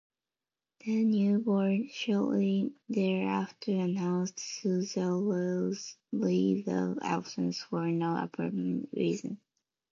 The new board shortly thereafter announced Suzzallo's "leave of absence" for no apparent reason.